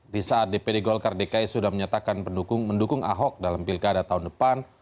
di saat dpd golkar dki sudah menyatakan pendukung mendukung ahok dalam pilkada tahun depan